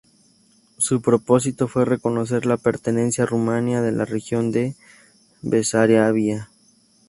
Su propósito fue reconocer la pertenencia a Rumanía de la región de Besarabia.